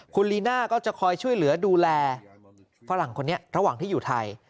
คุณลีน่าก็จะคอยช่วยเหลือดูแลฝรั่งคนนี้ระหว่างที่อยู่ไทย